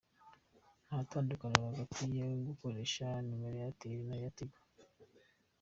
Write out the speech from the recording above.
Nta tandukaniro hagati yo gukoresha nimero ya Airtel n’iya Tigo.